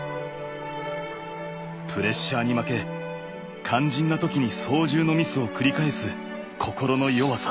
プレッシャーに負け肝心な時に操縦のミスを繰り返す心の弱さ。